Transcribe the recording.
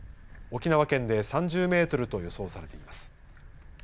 沖縄県で３０メートルと予想されています。